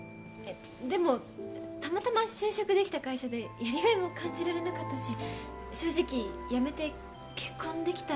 でもたまたま就職できた会社でやりがいも感じられなかったし正直辞めて結婚できたらって。